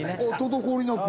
滞りなく。